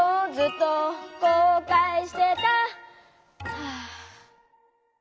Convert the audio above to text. はあ。